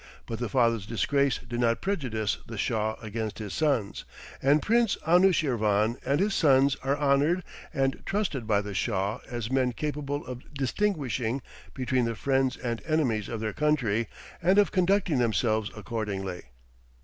But the father's disgrace did not prejudice the Shah against his sons, and Prince Anushirvan and his sons are honored and trusted by the Shah as men capable of distinguishing between the friends and enemies of their country, and of conducting themselves accordingly.